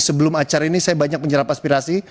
sebelum acara ini saya banyak menyerap aspirasi